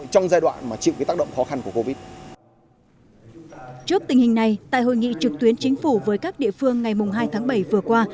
trước tình hình này tại hội nghị trực tuyến chính phủ với các địa phương ngày hai tháng bảy vừa qua